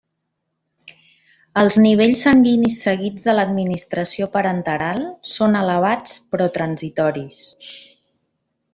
Els nivells sanguinis seguits de l'administració parenteral són elevats però transitoris.